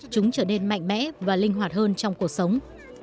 chúng trở nên mạnh mẽ và linh hoạt hơn trong cuộc sống